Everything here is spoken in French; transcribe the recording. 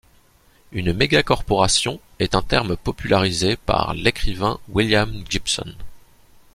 Une mégacorporation est un terme popularisé par l'écrivain William Gibson.